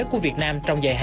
của việt nam